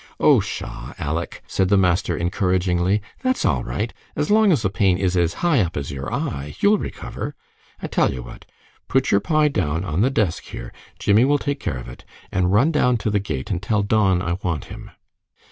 "Oh, pshaw, Aleck!" said the master, encouragingly, "that's all right. As long as the pain is as high up as your eye you'll recover. I tell you what, put your pie down on the desk here, Jimmie will take care of it, and run down to the gate and tell Don I want him."